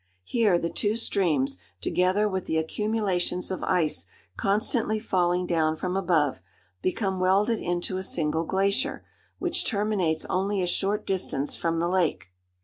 Here the two streams, together with the accumulations of ice constantly falling down from above, become welded into a single glacier, which terminates only a short distance from the lake.